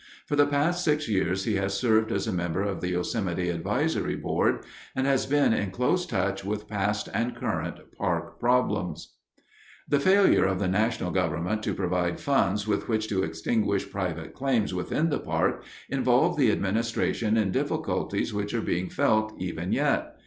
For the past six years he has served as a member of the Yosemite Advisory Board, and has been in close touch with past and current park problems. The failure of the national government to provide funds with which to extinguish private claims within the park involved the administration in difficulties which are being felt even yet.